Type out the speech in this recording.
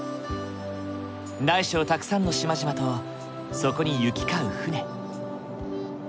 大小たくさんの島々とそこに行き交う船。